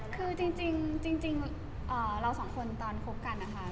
คือจริงเราสองคนนันต่อที่คุกกันค่ะ